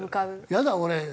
やだ俺。